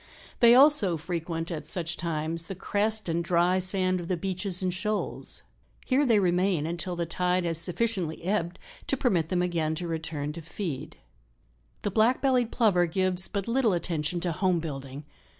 They also frequent, at such times, the crest and dry sand of the beaches and shoals; here they remain until the tide has sufficiently ebbed to permit them again to return to feed." The Black bellied Plover gives but little attention to home building.